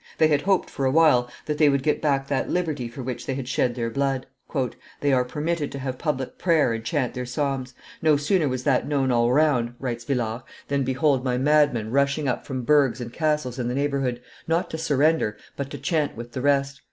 They had hoped, for a while, that they would get back that liberty for which they had shed their blood. "They are permitted to have public prayer and chant their psalms. No sooner was that known all round," writes Villars, "than behold my madmen rushing up from burghs and castles in the neighborhood, not to surrender, but to chant with the rest.